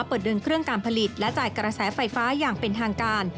เปิดเดินเครื่องการผลิตและจ่ายกระแสไฟฟ้าอย่างเป็นทางการ